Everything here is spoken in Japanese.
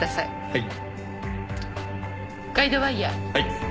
はい。